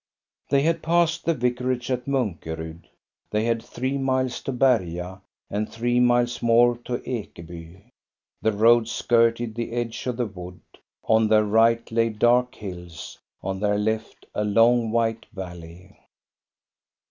They had passed the vicarage and Munkerud. They had three miles to Berga and three miles more to Ekeby. The road skirted the edge of the wood ; on their right lay dark hills, on their left a long, white valley.